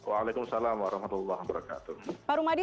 waalaikumsalam warahmatullahi wabarakatuh